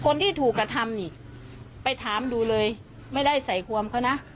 คนที่ถูกกระทำนี่ไปถามดูเลยไม่ได้ใส่ความเขานะ